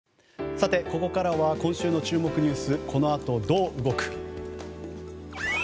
さて、ここからは今週の注目ニュースこの後どう動く？